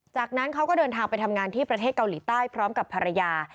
จากนั้นเขาก็เดินทางไปทำงานที่ประเทศเกาหลีใต้พร้อมกับภรรยา